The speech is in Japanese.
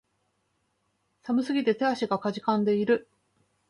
寒すぎて手足が悴んでいる